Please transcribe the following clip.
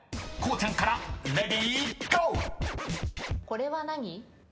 これは何？